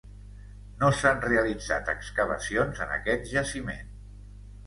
No s'han realitzat excavacions en aquest jaciment.